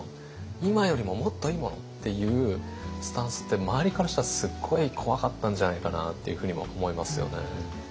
今よりももっといいものっていうスタンスって周りからしたらすっごい怖かったんじゃないかなっていうふうにも思いますよね。